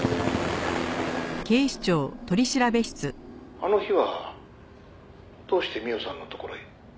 「あの日はどうして美緒さんのところへ？」